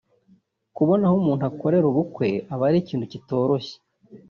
kubona aho umuntu akorera ubukwe aba ari ikintu kitoroshye